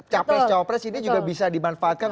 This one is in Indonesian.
capres capres ini juga bisa dimanfaatkan